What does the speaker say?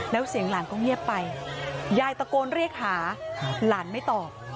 แล้วเสียงหลานก็เงียบไปยายตะโกนเรียกหาหลานไม่ตอบ